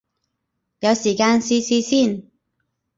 有時間試試先